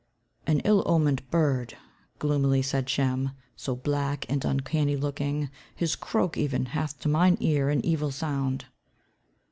"An ill omened bird," gloomily said Shem, "so black and uncanny looking. His croak, even, hath to mine ear an evil sound."